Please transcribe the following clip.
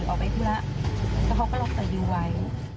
หรือออกไปธุระแล้วเขาก็ล็อกต่ออยู่ไว้